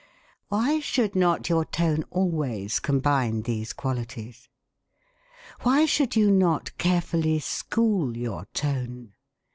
Why should not your tone always combine these qualities? Why should you not carefully school your tone?